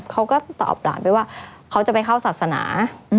เขาก็ตอบหลานไปว่าเขาจะไปเข้าศาสนา